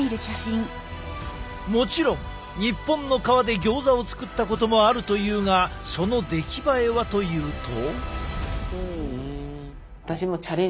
もちろん日本の皮でギョーザを作ったこともあるというがその出来栄えはというと。